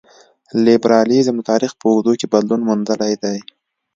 لېبرالیزم د تاریخ په اوږدو کې بدلون موندلی دی.